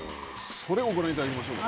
それをご覧いただきましょうか。